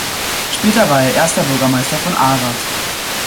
Später war er erster Bürgermeister von Arad.